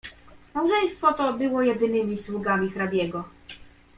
"Małżeństwo to było jedynymi sługami hrabiego."